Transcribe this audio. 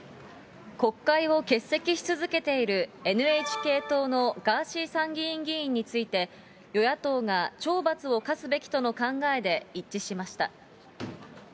国会を欠席し続けているＮＨＫ党のガーシー参議院議員について、与野党が懲罰を科すべきとの考えで一致しました。